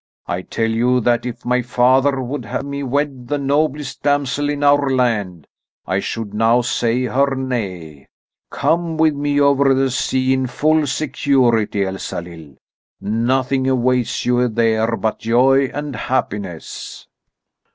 I tell you that if my father would have me wed the noblest damsel in our land, I should now say her nay. Come with me over the sea in full security, Elsalill! Nothing awaits you there but joy and happiness."